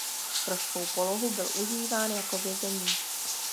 Pro svou polohu byl užíván jako vězení.